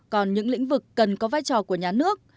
còn những lĩnh vực cần có vai trò của nhà nước